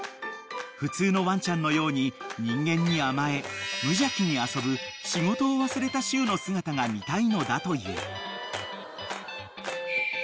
［普通のワンちゃんのように人間に甘え無邪気に遊ぶ仕事を忘れたしゅうの姿が見たいのだという］